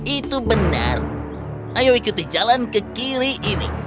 itu benar ayo ikuti jalan ke kiri ini